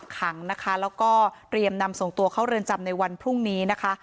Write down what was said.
ขังนะคะแล้วก็เตรียมนำส่งตัวเข้าเรือนจำในวันพรุ่งนี้นะคะ